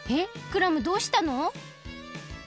クラムどうしたの？